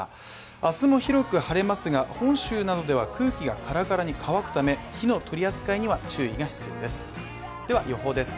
明日も広く晴れますが、本州などでは空気がカラカラに乾くため、火の取り扱いには注意が必要です。